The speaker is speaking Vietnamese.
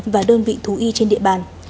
và đơn vị thú y trên địa bàn